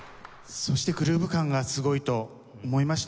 そしてグルーブ感がすごいと思いました。